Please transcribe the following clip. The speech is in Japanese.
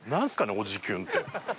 おじキュンって。